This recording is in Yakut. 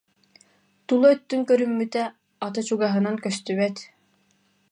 Тула өттүн көрүммүтэ: ата чугаһынан көстүбэт